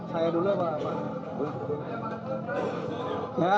saya dulu ya pak